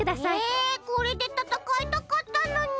えこれでたたかいたかったのに！